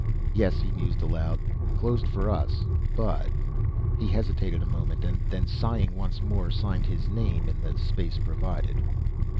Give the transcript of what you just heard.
"Yes," he mused aloud. "Closed for us, but " He hesitated a moment, and then sighing once more, signed his name in the space provided.